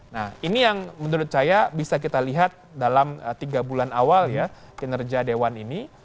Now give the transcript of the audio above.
nah ini yang menurut saya bisa kita lihat dalam tiga bulan awal ya kinerja dewan ini